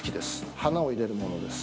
花を入れるものです。